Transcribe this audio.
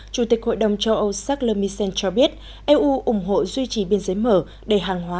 chủ tịch hội đồng châu âu charles misen cho biết eu ủng hộ duy trì biên giới mở để hàng hóa